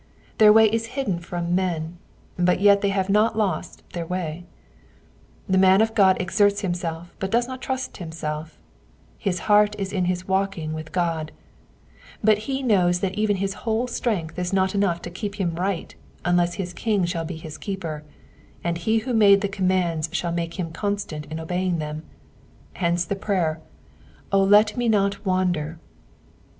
Their way is hidden from men ; but yet they have not lost their way. The man of God exerts himself, but does not trust himself : his heart is in his walking with God : but he knows that even his whole strength \& not enough to keep him right unless his King shall be his keeper, and he who made the commands shall make him constant in obeying them : hence the prayer, 0 let me not tcander.'